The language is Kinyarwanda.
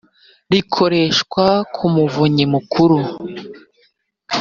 rikorerwa ku muvunyi mukuru